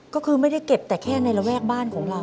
ก็คือไม่ได้เก็บแต่แค่ในระแวกบ้านของเรา